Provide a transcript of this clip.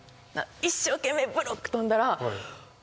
一生懸命ブロック跳んだら。